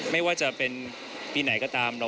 ไม่ว่าจะเป็นปีไหนก็ตาม